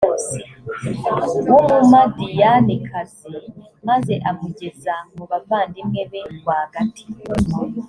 w’umumadiyanikazi maze amugeza mu bavandimwe be rwagati.